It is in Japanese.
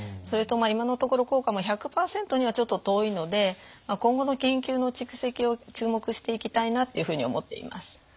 それと今のところ効果も１００％にはちょっと遠いので今後の研究の蓄積を注目していきたいなっていうふうに思っています。